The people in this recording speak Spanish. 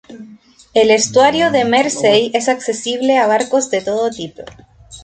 El estuario del Mersey es accesible a barcos de todo tipo.